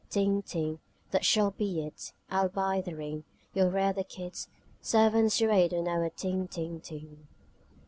Ting, ting, That shall be it: I'll buy the ring, You'll rear the kids: Servants to wait on our ting, ting, ting. .